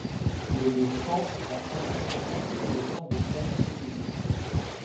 Le mot champs est à interpréter avec le sens de plaine cultivée.